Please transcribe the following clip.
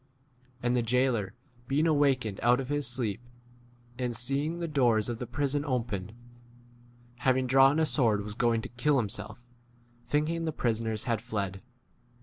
And the jailor being awakened out of his sleep, and seeing the doors of the prison opened, having drawn a sword was going to kill himself, think 28 ing the prisoners had fled.